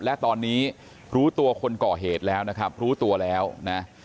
และตอนนี้รู้ตัวคนก่อเหตุแล้วนะครับรู้ตัวแล้วนะ